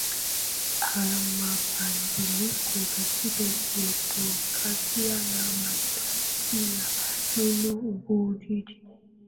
na mabadiliko katika kiothografia na matamshi ya neno Ubujiji